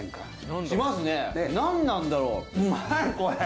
何なんだろう？